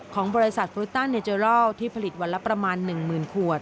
ของบริษัทฟรุต้าเนเจอรอลที่ผลิตวันละประมาณ๑๐๐๐ขวด